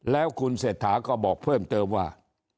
แล้วคุณเศรษฐาก็บอกเพิ่มเติมว่า